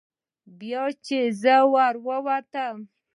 بیا چې زه ور ووتم.